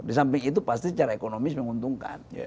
disamping itu pasti secara ekonomis menguntungkan